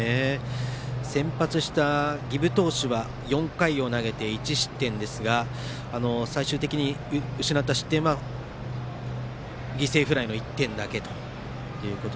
先発した儀部投手は４回を投げて１失点ですが最終的に失った失点は犠牲フライの１点だけで。